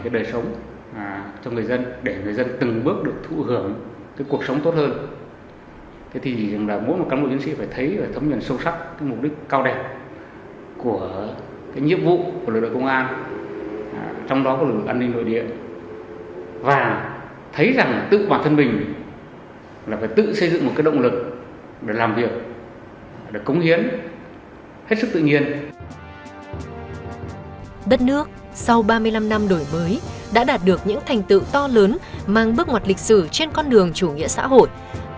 đất nước sau ba mươi năm năm đổi mới đã đạt được những thành tựu to lớn mang bước ngoặt lịch sử trên con đường chủ nghĩa xã hội